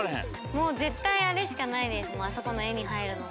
もう絶対あれしかないですあそこの絵に入るのは。